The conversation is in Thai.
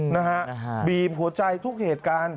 นะฮะบีบหัวใจทุกเหตุการณ์